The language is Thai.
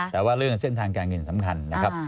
แต่ว่าเรื่องเส้นทางการตัดการสำคัญ